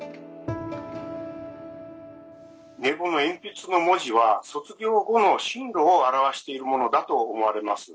名簿の鉛筆の文字は卒業後の進路を表しているものだと思われます。